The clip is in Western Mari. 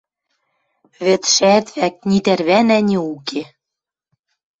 Вӹдшӓт вӓк ни тӓрвӓнӓ, ни уке.